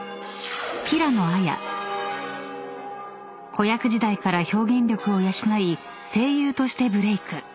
［子役時代から表現力を養い声優としてブレーク］